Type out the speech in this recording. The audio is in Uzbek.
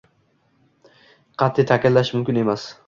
qat’iy ta’kidlash mumkin emas.